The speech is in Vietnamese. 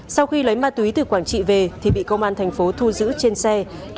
sau khi lấy ma túy từ quảng trị về thì bị công an thành phố thu giữ trên xe